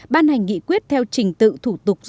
ban hành nghị quyết theo trình tự thủ tục